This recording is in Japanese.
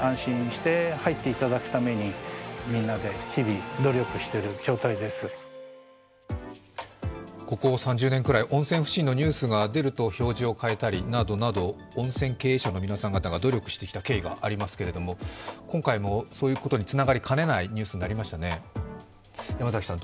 創業１００年という老舗旅館の社長はここ３０年ぐらい温泉不審のニュースが出ると表示を変えたりなどなど温泉経営者の皆さんが努力してきた経緯がありますけれども、今回もそういうことにつながりかねないニュースになりましたね。